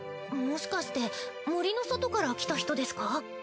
もしかして森の外から来た人ですか？